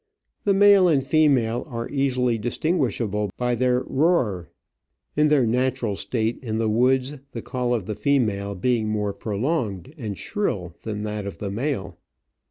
The male and female are easily distinguishable by their roar, in their natural state in the woods the call of the female being more prolonged and shrill than that of the male.